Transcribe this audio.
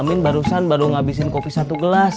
amin barusan baru ngabisin kopi satu gelas